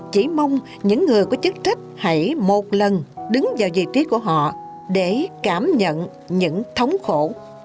chỉ mong những người có chức trách hãy một lần đứng vào vị trí của họ để cảm nhận những thống khổ